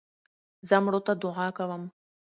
زه مړو ته دؤعا کوم.